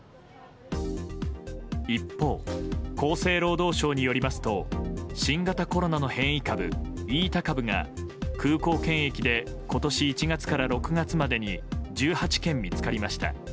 一方、厚生労働省によりますと新型コロナの変異株、イータ株が空港検疫で今年１月から６月までに１８件見つかりました。